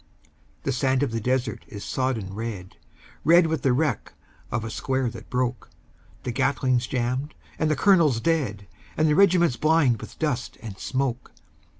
The sand of the desert is sodden red, Red with the wreck of a square that broke; The Gatling's jammed and the colonel dead, And the regiment blind with dust and smoke.